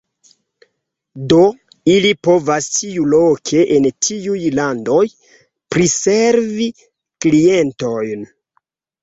Do, ili povas ĉiuloke en tiuj landoj priservi klientojn.